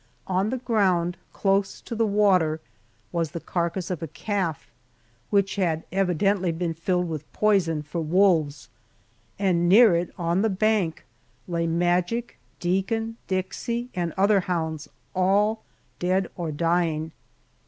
On the ground close to the water was the carcass of a calf, which had evidently been filled with poison for wolves, and near it on the bank lay Magic, Deacon, Dixie, and other hounds, all dead or dying!